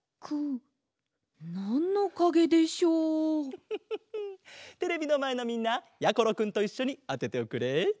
フフフフテレビのまえのみんなやころくんといっしょにあてておくれ。